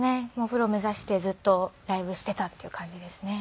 プロを目指してずっとライブしてたっていう感じですね。